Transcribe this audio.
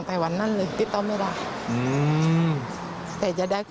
แล้วก็ยัดลงถังสีฟ้าขนาด๒๐๐ลิตร